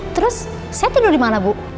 terus saya tidur di mana bu